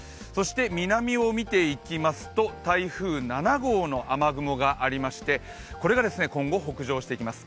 南を見ていきますと台風７号の雨雲がありましてこれがですね、今後北上していきます。